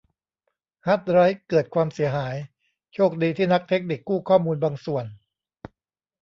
ฮาร์ดไดรฟ์เกิดความเสียหายโชคดีที่นักเทคนิคกู้ข้อมูลบางส่วน